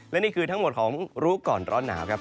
และนี่คือทั้งหมดของรู้ก่อนร้อนหนาวครับ